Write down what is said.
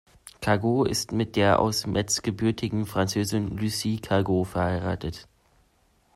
Kago ist mit der aus Metz gebürtigen Französin Lucie Kago verheiratet.